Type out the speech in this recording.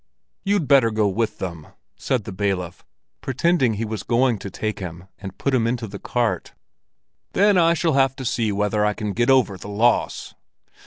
"You'd better go with them," said the bailiff, pretending he was going to take him and put him into the cart. "Then I shall have to see whether I can get over the loss."